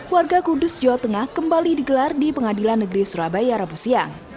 warga kudus jawa tengah kembali digelar di pengadilan negeri surabaya rabu siang